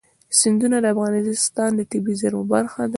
سیندونه د افغانستان د طبیعي زیرمو برخه ده.